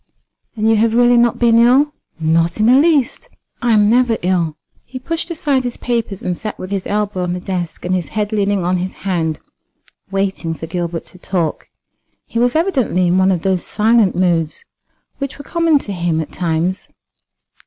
"And you have really not been ill?" "Not in the least. I am never ill." He pushed aside his papers, and sat with his elbow on the desk and his head leaning on his hand, waiting for Gilbert to talk. He was evidently in one of those silent moods which were common to him at times.